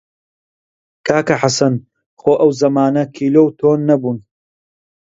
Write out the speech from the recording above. کاکە حەسەن خۆ ئەو زەمانە کیلۆ و تۆن نەبوون!